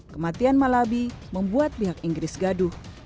kematian malabi membuat pihak inggris gaduh